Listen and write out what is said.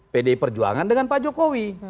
pdi perjuangan dengan pak jokowi